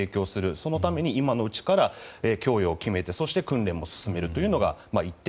そのために今のうちから供与を決めてそして訓練も進めるというのが１点。